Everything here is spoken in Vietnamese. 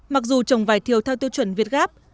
mặc dù trồng vải thiêu theo tiêu chuẩn việt gáp